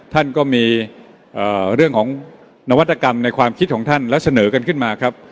ท่านก็มีเรื่องของนวัตกรรมในความคิดของท่านและเสนอกันขึ้นมาครับ